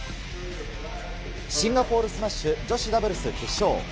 シンガポールスマッシュ女子ダブルス決勝。